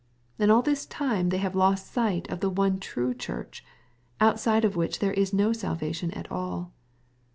And all this time they have lost sight of the one true Church, outside of which there is no salvation at all.